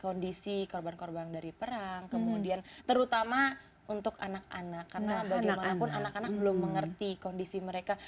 kondisi korban korban dari perang kemudian terutama untuk anak anak karena bagaimanapun anak anak belum mengerti kondisi mereka